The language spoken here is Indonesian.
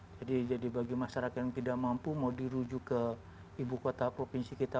jadi bagi masyarakat yang tidak mampu mau dirujuk ke ibu kota provinsi kita